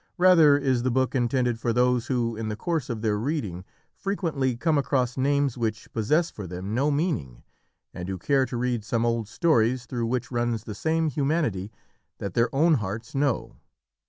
Rather is the book intended for those who, in the course of their reading, frequently come across names which possess for them no meaning, and who care to read some old stories, through which runs the same humanity that their own hearts know.